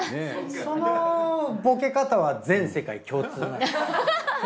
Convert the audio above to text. そのボケ方は全世界共通なの？